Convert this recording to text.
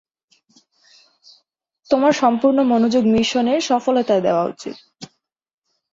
তোমার সম্পূর্ণ মনোযোগ মিশনের সফলতায় দেওয়া উচিত।